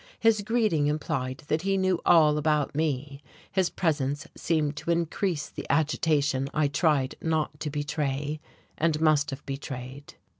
His greeting implied that he knew all about me, his presence seemed to increase the agitation I tried not to betray, and must have betrayed.